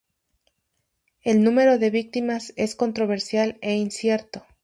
El número de víctimas es controversial e incierto.